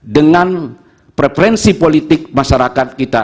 dengan preferensi politik masyarakat kita